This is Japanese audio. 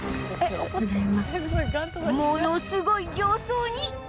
ものすごい形相に